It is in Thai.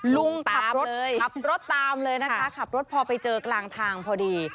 ลุงขับรถขับรถตามเลยนะคะขับรถพอไปเจอกลางทางพอดี